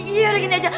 iya udah gini aja